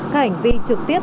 cảnh vi trực tiếp